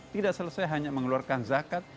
tidak selesai hanya mengeluarkan zakat